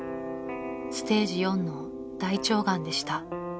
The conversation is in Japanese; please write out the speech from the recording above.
［ステージ４の大腸がんでした］